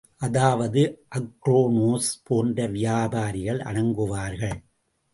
அதாவது அக்ரோனோஸ் போன்ற வியாபாரிகள் அடங்குவார்கள்.